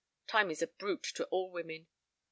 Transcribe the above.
Time is a brute to all women. .